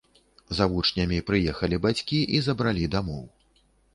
За вучнямі прыехалі бацькі і забралі дамоў.